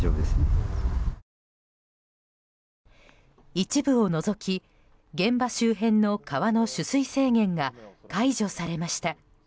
一部を除き、現場周辺の川の取水制限が解除されました。